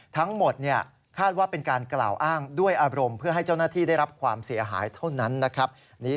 ทั้งหมดคาดว่าเป็นการกล่าวอ้างด้วยอารมณ์เพื่อให้เจ้าหน้าที่ได้รับความเสียหายเท่านั้นนะครับ